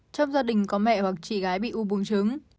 trong gia đình có mẹ hoặc chị gái bị u bốn trứng